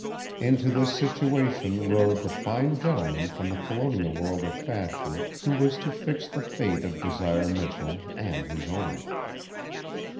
Into this situation rode the fine gentleman from the colonial world of fashion who was to fix the fate of Desire Michell and his own.